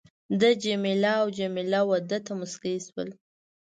ده جميله او جميله وه ده ته مسکی شول.